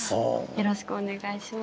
よろしくお願いします。